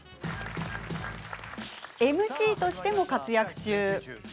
ＭＣとしても活躍中。